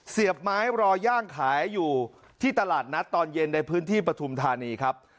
เสียบไม้รย่างขายอยู่ที่ตลาดนัดตอนเย็นในพื้นที่ปฐุมธานีครับ